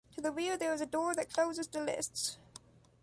To the rear there is a door that closes the lists.